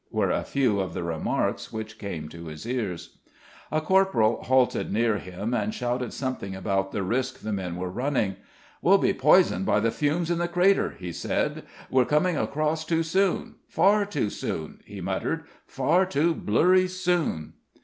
were a few of the remarks which came to his ears. A corporal halted near him and shouted something about the risk the men were running. "We'll be poisoned by the fumes in the crater," he said. "We're coming across too soon. Far too soon," he muttered; "far too blurry soon!"